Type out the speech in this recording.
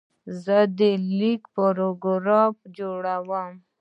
زه د لیک پاراګرافونه جوړوم.